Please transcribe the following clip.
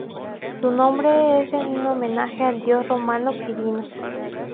Su nombre es un homenaje al dios romano Quirino.